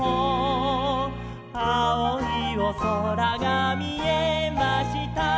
「あおいおそらがみえました」